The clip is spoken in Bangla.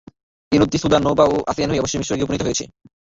এ নদটি সুদান, নওবা ও আসওয়ান হয়ে অবশেষে মিসরে গিয়ে উপনীত হয়েছে।